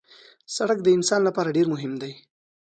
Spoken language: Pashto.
سړک د انسان لپاره ډېر مهم دی.